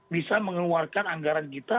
bisa mengeluarkan anggaran kita